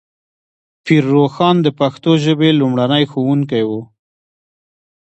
پیر روښان د پښتو ژبې لومړنی ښوونکی و.